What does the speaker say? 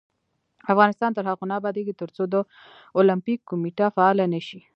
افغانستان تر هغو نه ابادیږي، ترڅو د اولمپیک کمیټه فعاله نشي.